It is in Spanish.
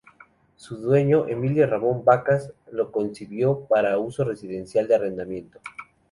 Su dueño, Emilio Ramón Vacas, lo concibió para uso residencial de arrendamiento.